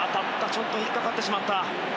ちょっと引っかかってしまった。